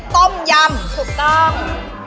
ต้มยำถูกต้อง